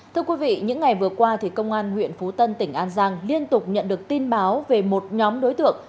thưa quý vị những ngày vừa qua công an huyện phú tân tỉnh an giang liên tục nhận được tin báo về một nhóm đối tượng